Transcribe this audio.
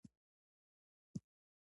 ښتې د افغانانو د فرهنګي پیژندنې برخه ده.